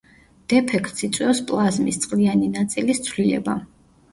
დეფექტს იწვევს პლაზმის, წყლიანი ნაწილის, ცვლილება.